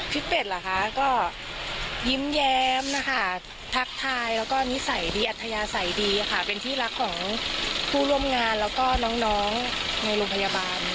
เป็ดเหรอคะก็ยิ้มแย้มนะคะทักทายแล้วก็นิสัยดีอัธยาศัยดีค่ะเป็นที่รักของผู้ร่วมงานแล้วก็น้องในโรงพยาบาล